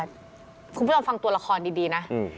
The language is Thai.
คุณผู้ชมฟังตัวละครดีนะ